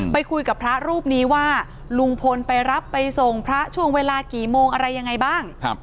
ไปคุยกับพระรูปนี้ว่าลุงพลไปรับไปส่งพระช่วงเวลากี่โมงอะไรยังไงบ้าง